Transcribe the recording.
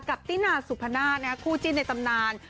ตินาสุพนาศคู่จิ้นในตำนาน